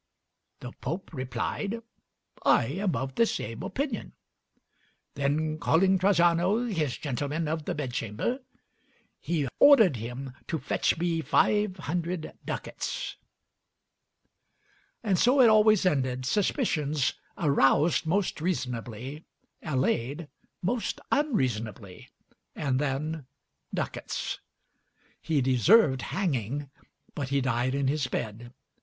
The Pope replied, 'I am of the same opinion;' then calling Trajano, his gentleman of the bedchamber, he ordered him to fetch me five hundred ducats." And so it always ended: suspicions, aroused most reasonably, allayed most unreasonably, and then ducats. He deserved hanging, but he died in his bed.